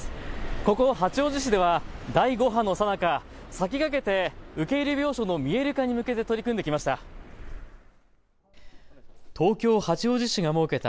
ここ八王子市では第５波のさなか先駆けて受け入れ病床の見える化に向けて取り組んできました。